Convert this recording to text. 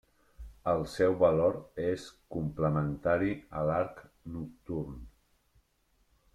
El seu valor és complementari a l'arc nocturn.